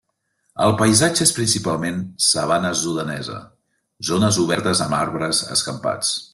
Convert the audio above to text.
El paisatge és principalment sabana sudanesa, zones obertes amb arbres escampats.